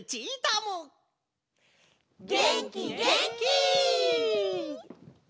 げんきげんき！